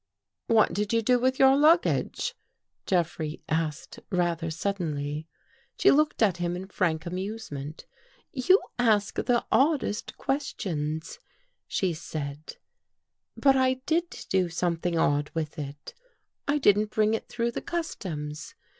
" What did you do with your luggage? " Jeffrey asked rather suddenly. She looked at him in frank amusement. " You ask the oddest questions," she said, " but I did do something odd with it. I didn't bring it through the customs.